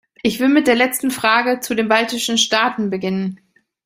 Ich will mit der letzten Frage zu den baltischen Staaten beginnen.